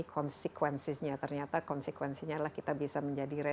relevansi dipengat pastor